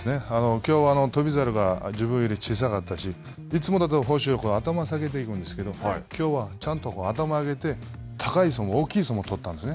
きょうは翔猿が自分より小さかったし、いつもだと豊昇龍、頭を下げていくんですけれども、きょうはちゃんと頭を上げて、高い相撲、大きい相撲を取ったんですね。